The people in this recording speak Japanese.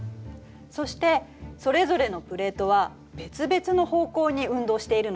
そしてそれぞれのプレートは別々の方向に運動しているのよ。